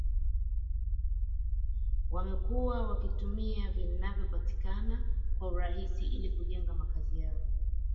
Wamekuwa wakitumia vinavyopatikana kwa urahisi ili kujenga makazi yao